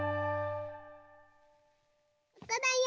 ここだよ